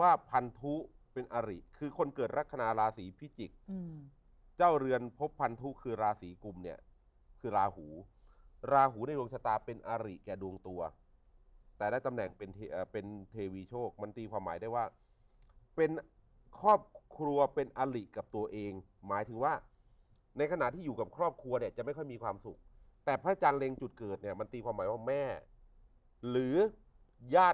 พันธุเป็นอริคือคนเกิดลักษณะราศีพิจิกษ์เจ้าเรือนพบพันธุคือราศีกุมเนี่ยคือราหูลาหูในดวงชะตาเป็นอาริแก่ดวงตัวแต่ได้ตำแหน่งเป็นเทวีโชคมันตีความหมายได้ว่าเป็นครอบครัวเป็นอลิกับตัวเองหมายถึงว่าในขณะที่อยู่กับครอบครัวเนี่ยจะไม่ค่อยมีความสุขแต่พระอาจารย์เล็งจุดเกิดเนี่ยมันตีความหมายว่าแม่หรือญาติ